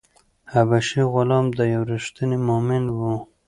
حبشي غلام یو ریښتینی مومن و.